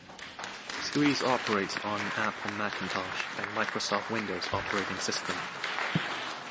Squeeze operates on the Apple Macintosh and Microsoft Windows operating systems.